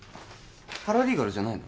パラリーガルじゃないの？